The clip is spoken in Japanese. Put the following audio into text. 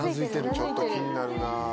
ちょっと気になるなぁ。